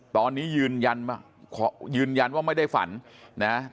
ตอนนี้ยืนยันว่าไม่ได้ฝันนะฮะ